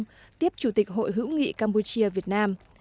tiếp chủ tịch hội hữu nghị campuchia việt nam